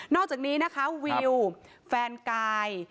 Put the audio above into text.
อกจากนี้นะคะวิวแฟนกาย